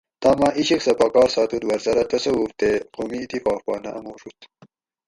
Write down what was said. تامہ عشق سہۤ پا کار ساتوت ورسرہ تصوف تے قومی اتفاق پا نہ اموڛوُت